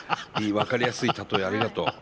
分かりやすいたとえありがとう。